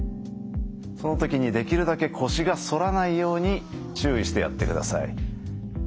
その時にできるだけ腰が反らないように注意してやってください。